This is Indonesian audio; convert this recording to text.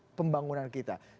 atau arah pembangunan kita